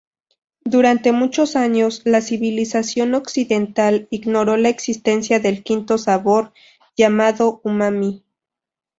Durante muchos años, la civilización occidental ignoró la existencia del quinto sabor, llamado umami.